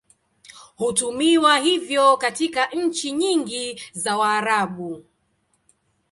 Hutumiwa hivyo katika nchi nyingi za Waarabu.